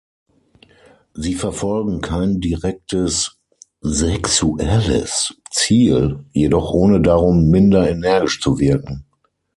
Sie verfolgen kein direktes sexuelles Ziel, jedoch „ohne darum minder energisch zu wirken“.